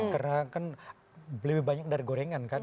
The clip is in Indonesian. karena kan lebih banyak dari gorengan kan